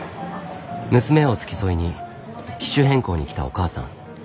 娘を付き添いに機種変更に来たお母さん。